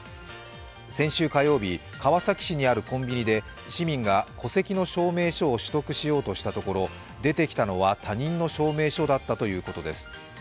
先週火曜日、川崎市にあるコンビニで市民が戸籍の証明書を取得しようとしたところ、出てきたのは他人の証明書だったということです。